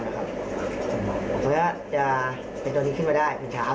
อันนี้จะเป็นตัวที่ขึ้นมาได้เป็นชาวที่เราทำมาหลายปีมาก